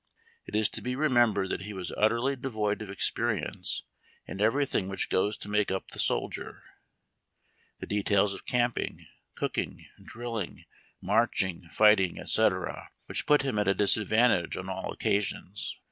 It is to be remembered that he was utterly devoid of experience in everything which goes to make up the soldier, the details of camping, cooking, drilling, nuxrch ing, fighting, etc., which put him at a disadvantage on all occasions.